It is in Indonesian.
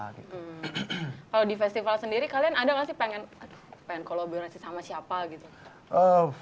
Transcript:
kalau di festival sendiri kalian ada gak sih pengen kolaborasi sama siapa gitu